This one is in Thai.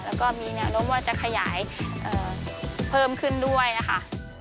แล้วก็มีแนวโน้มว่าจะขยายเพิ่มขึ้นด้วยนะคะ